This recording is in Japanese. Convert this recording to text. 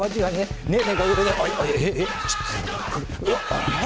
あれ？